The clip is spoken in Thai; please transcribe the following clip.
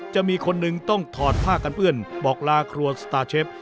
จะมีคนหนึ่งต้องถอดผ้ากันเปื้อนบอกลาครัวสตาร์เชฟ